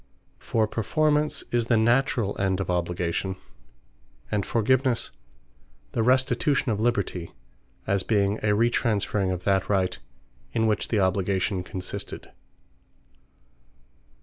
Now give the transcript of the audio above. For Performance, is the naturall end of obligation; and Forgivenesse, the restitution of liberty; as being a retransferring of that Right, in which the obligation consisted.